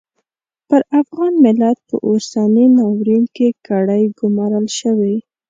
پر افغان ملت په اوسني ناورین کې کړۍ ګومارل شوې.